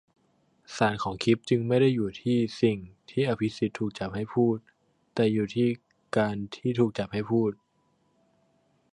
สารของคลิปจึงไม่ได้อยู่ที่'สิ่ง'ที่อภิสิทธิ์ถูกจับให้พูด แต่อยู่ที่'การ'ที่ถูกจับให้พูด